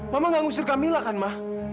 mama nggak usir kamila kan ma